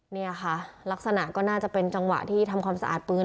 นี่ค่ะลักษณะก็น่าจะเป็นจังหวะที่ทำความสะอาดปืน